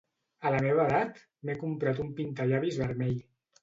A la meva edat, m'he comprat un pintallavis vermell.